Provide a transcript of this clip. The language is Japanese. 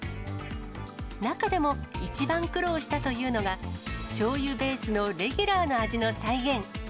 中でも一番苦労したというのが、しょうゆベースのレギュラーの味の再現。